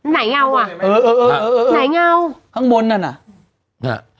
ไหนเงาอ่ะเออเออเออเออไหนเงาข้างบนนั่นน่ะอ่ะ